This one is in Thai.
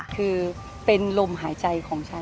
คือเป็นลมหายใจของฉัน